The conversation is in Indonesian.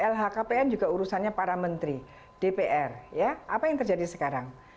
lhkpn juga urusannya para menteri dpr apa yang terjadi sekarang